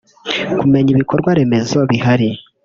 kumenya ibikorwa remezo bihari